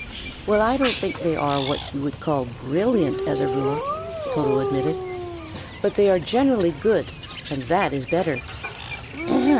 "Well, I don't think they are what you would call brilliant, as a rule," Toto admitted; "but they are generally good, and that is better."